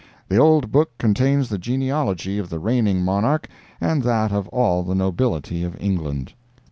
The old book contains the genealogy of the reigning monarch and that of all the nobility of England.